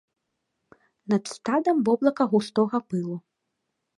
Над стадам воблака густога пылу.